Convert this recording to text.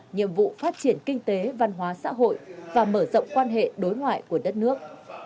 nhiệm vụ phát triển kinh tế văn hóa xã hội và mở rộng quan hệ đối ngoại của đất nước